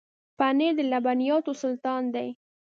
پنېر د لبنیاتو سلطان دی.